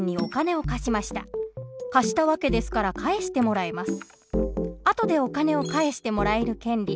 貸した訳ですから返してもらえます。